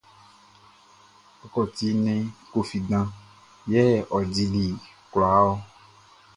Kɔkɔti nnɛn Koffi dan yɛ ɔ dili kwlaa ɔ.